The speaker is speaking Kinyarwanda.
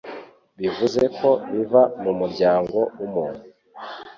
bivuze ko biva mu muryango w'umuntu